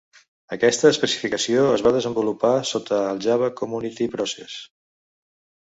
Aquesta especificació es va desenvolupar sota el Java Community Process.